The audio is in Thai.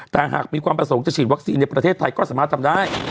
แต่หากมีความประสงค์จะฉีดวัคซีนในประเทศไทยก็สามารถทำได้